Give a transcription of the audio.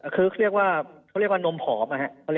คือเขาเรียกว่านมผอม